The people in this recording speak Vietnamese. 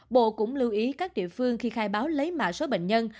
bộ cũng lưu ý các địa phương khi khai báo lấy mạ số bệnh nhân